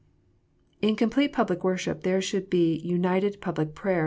(/) In complete public worship there should be united public praise.